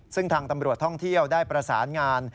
ซึ่งทางตำรวจท่องเที่ยวได้ประสานงาน